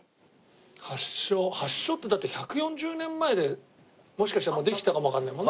発祥発祥ってだって１４０年前でもしかしたらもうできてたかもわかんないもんね。